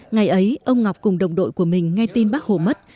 ngày ấy ông ngọc cùng đồng đội của mình nghe tin bác hồ mất